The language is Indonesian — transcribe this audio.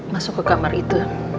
masuk ke kamar itu